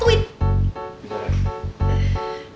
tunggu aku dulu ya